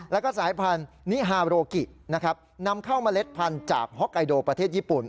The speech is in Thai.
แล้วก็สายพันธุ์นิฮาโรกินะครับนำเข้าเมล็ดพันธุ์จากฮอกไกโดประเทศญี่ปุ่น